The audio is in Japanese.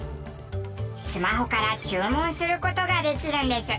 スマホから注文する事ができるんです。